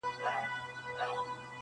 راسه چي زړه ښه درته خالي كـړمـه,